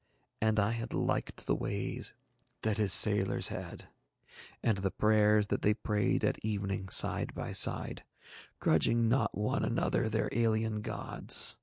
And I had liked the ways that his sailors had, and the prayers that they prayed at evening side by side, grudging not one another their alien gods.